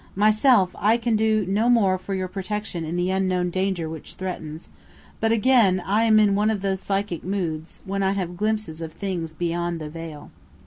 Myself, I can do no more for your protection in the unknown danger which threatens; but again I am in one of those psychic moods, when I have glimpses of things beyond the veil.